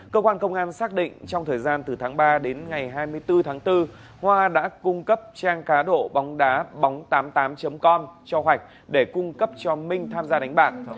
cơ quan công an xác định trong thời gian từ tháng ba đến ngày hai mươi bốn tháng bốn hoa đã cung cấp trang cá độ bóng đá bóng tám mươi tám com cho hoạch để cung cấp cho minh tham gia đánh bạc